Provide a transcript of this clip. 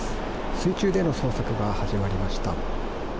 水中での捜索が始まりました。